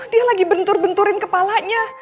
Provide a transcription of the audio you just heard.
dia lagi bentur benturin kepalanya